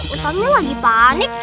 utaminya lagi panik